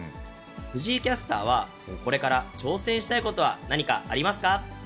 藤井キャスターは、これから挑戦したいことは何かありますか？